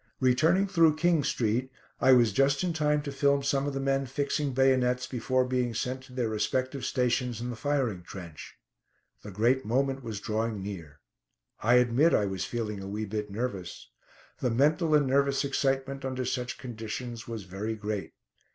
Returning through King Street, I was just in time to film some of the men fixing bayonets before being sent to their respective stations in the firing trench. The great moment was drawing near. I admit I was feeling a wee bit nervous. The mental and nervous excitement under such conditions was very great.